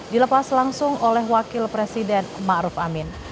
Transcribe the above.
dilepas langsung oleh wakil presiden ma ruf amin